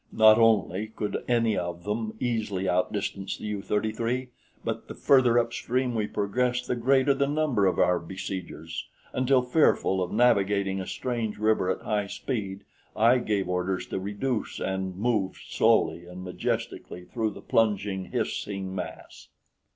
Not only could any of them easily outdistance the U 33, but the further upstream we progressed the greater the number of our besiegers, until fearful of navigating a strange river at high speed, I gave orders to reduce and moved slowly and majestically through the plunging, hissing mass.